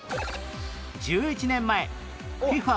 １１年前 ＦＩＦＡ